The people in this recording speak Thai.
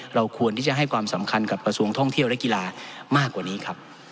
เราควรที่จะให้ความสำคัญกับกระทรวงท่องเที่ยวและกีฬามากกว่านี้ครับ